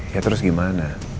ya terus gimana